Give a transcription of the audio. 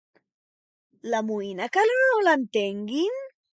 L'amoïna que no l'entenguin?